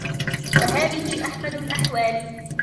وَهَذِهِ أَحْمَدُ الْأَحْوَالِ